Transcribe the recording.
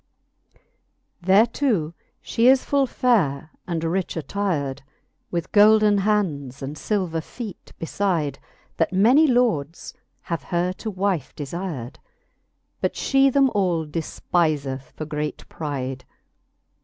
Thereto flie is fall faire, and rich attired, With golden hands and filver feete befide, That many Lords have her to wife deiired ; But file them all delpifeth for great pride.